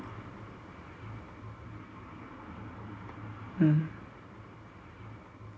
うん。